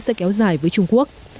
sẽ kéo dài với trung quốc